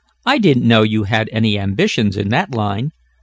"I didn't know you had any ambitions in that line.